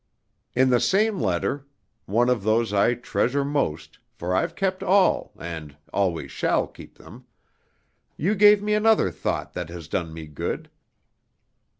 "In the same letter (one of those I treasure most; for I've kept all, and always shall keep them) you gave me another thought that has done me good.